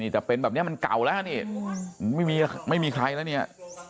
แต่เป็นแบบนี้มันเก่าแล้วนี่ไม่มีใครแล้วเนี่ย